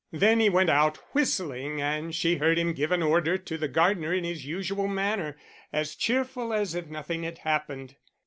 Then he went out, whistling, and she heard him give an order to the gardener in his usual manner, as cheerful as if nothing had happened.